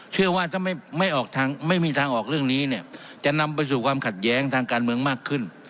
เชื่อว่าถ้าไม่มีทางออกเรื่องนี้เนี่ยจะนำไปสู่ความขัดแย้งทางการเมืองมากขึ้น